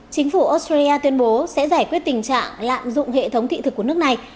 chính phủ australia tuyên bố sẽ giải quyết tình trạng lạm dụng hệ thống thị thực của nước này